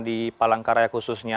di palangkaraya khususnya